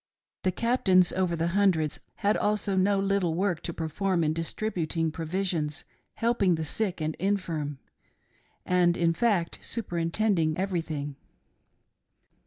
The captains over the hundreds had also no little work to perform in distributing provisions, helping the sick and infirm, and, in fact, superintending everything.